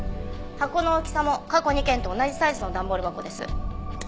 箱の大きさも過去２件と同じサイズの段ボール箱です。